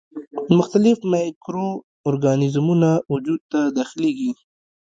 مختلف مایکرو ارګانیزمونه وجود ته داخليږي.